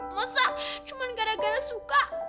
masa cuma gara gara suka